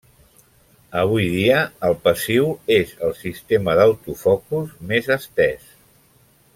Avui dia, el passiu és el sistema d'autofocus més estès.